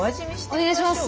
お願いします